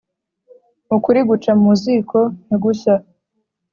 ukuri guca muziko ntigushya